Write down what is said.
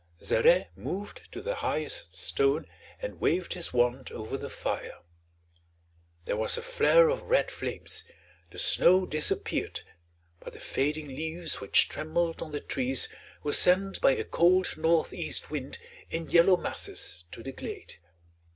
Zarè moved to the highest stone and waved his wand over the fire. There was a flare of red flames, the snow disappeared, but the fading leaves which trembled on the trees were sent by a cold northeast wind in yellow masses to the glade.